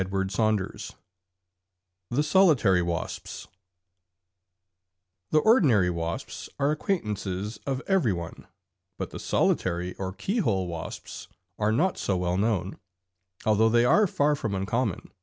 THE SOLITARY WASPS The ordinary wasps are acquaintances of every one, but the solitary or keyhole wasps are not so well known, although they are far from uncommon.